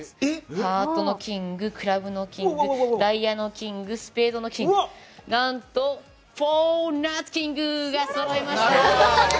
ハートのキング、クラブのキング、スペードのキング、ダイヤのキングなんとフォーなつキングがそろいました。